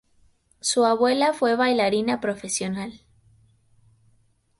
Su abuela fue una bailarina profesional.